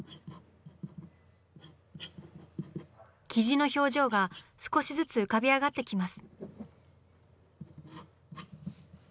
雉の表情が少しずつ浮かび上がってきます。